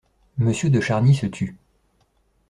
Monsieur de Charny se tut.